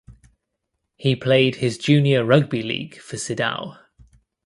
He played his junior rugby league for Siddal.